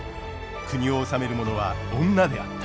国を治める者は女であった。